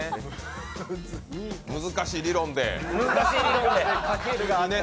難しい理論で。